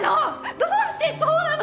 どうしてそうなの！